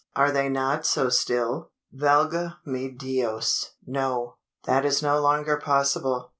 Are they not so still?" "Valga me dios! No. That is no longer possible.